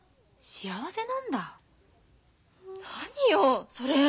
何よそれ。